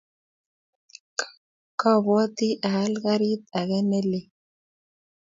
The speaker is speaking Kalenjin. Kwabwati aal karit age nelel.